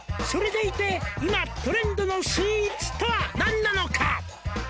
「それでいて今トレンドのスイーツとは何なのか」